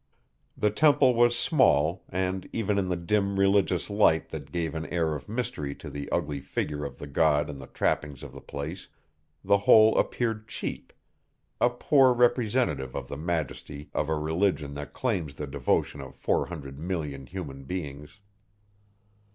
The temple was small, and even in the dim, religious light that gave an air of mystery to the ugly figure of the god and the trappings of the place, the whole appeared cheap a poor representative of the majesty of a religion that claims the devotion of four hundred million human beings.